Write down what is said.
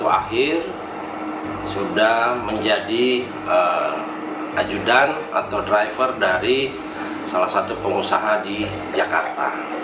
dua ribu dua puluh satu akhir sudah menjadi ajudan atau driver dari salah satu pengusaha di jakarta